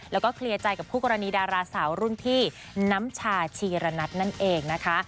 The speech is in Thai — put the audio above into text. แล้วก็เคลียร์ใจกับคู่กรณีดาราสาวรุ่นพี่น้ำชาชีระนัทนั่นเองนะคะ